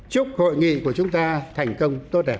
chúc hội nghị của chúng ta thành công tốt đẹp